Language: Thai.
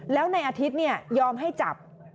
แล้วในอาทิตย์ยอมให้จับ